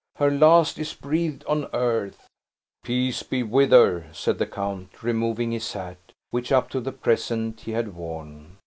Her last is breathed on earth!" "Peace be with her!" said the count, removing his hat, which, up to the present, he had worn.